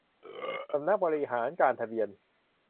สำนักบริหารการทะเบียน